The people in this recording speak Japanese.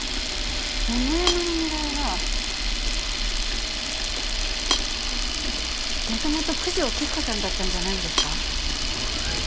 桃山の狙いは元々九条菊子さんだったんじゃないんですか？